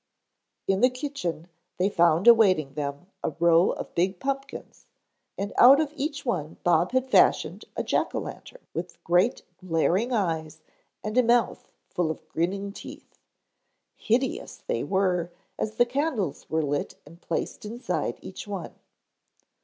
In the kitchen they found awaiting them a row of big pumpkins, and out of each one Bob had fashioned a jack o' lantern with great glaring eyes and a mouth full of grinning teeth. Hideous they were as the candles were lit and placed inside each one.